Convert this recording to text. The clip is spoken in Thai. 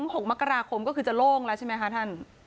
หลัง๖มกราคมก็จะโล่งแหละใช่มั้ยค่ะ